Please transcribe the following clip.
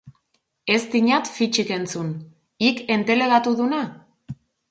Ez dinat fitsik entzun, hik entelegatu duna?